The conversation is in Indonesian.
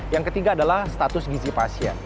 yang ketiga adalah status gizi pasien